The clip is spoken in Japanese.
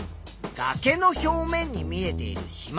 がけの表面に見えているしま